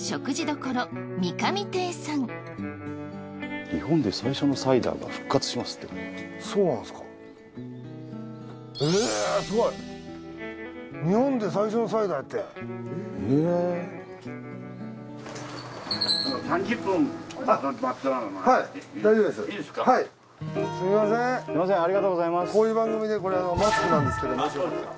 こういう番組でこれマスクなんですけどもしよかったら。